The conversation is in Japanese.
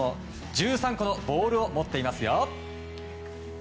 １３個のボールを持っていますよ。